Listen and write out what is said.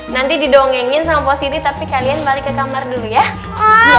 nanti didongengin sama positif tapi kalian balik ke kamar dulu ya